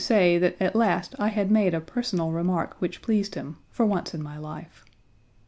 Page 27 that at last I had made a personal remark which pleased him, for once in my life.